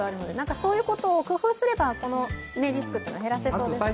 そういうことを工夫すればこのリスクは減らせそうですよね。